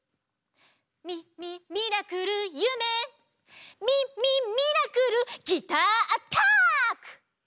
ミミミラクルゆめミミミラクルギターアタック！